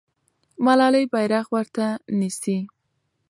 ملالۍ بیرغ ورته نیسي.